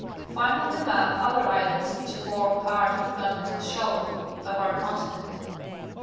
Find on the map other islands which form part of the con tinental shelf of our continent.